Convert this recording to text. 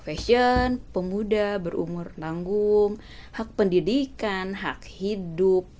fashion pemuda berumur tanggung hak pendidikan hak hidup